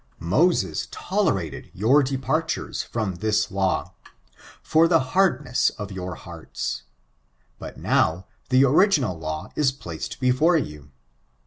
Moses tolerated your departures from this law, ''for the hardness of your heaits;" but now, the original law is placed before you.